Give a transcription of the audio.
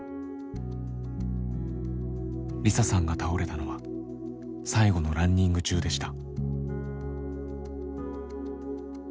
梨沙さんが倒れたのは最後のランニング中でした。